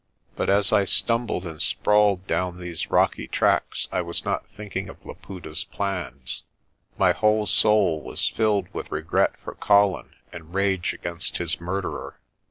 But as I stumbled and sprawled down these rocky tracks I was not thinking of Laputa's plans. My whole soul was filled with regret for Colin and rage against his murderer.